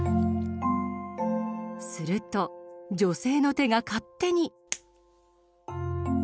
すると女性の手が勝手に。